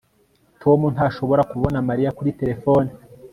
tom ntashobora kubona mariya kuri terefone